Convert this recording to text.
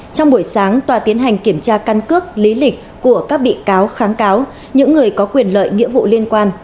trong buổi sáng tòa tiến hành kiểm tra căn cước lý lịch của các bị cáo kháng cáo những người có quyền lợi nghĩa vụ liên quan